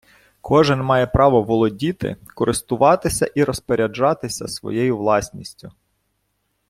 Кожен має право володіти, користуватися і розпоряджатися своєю власністю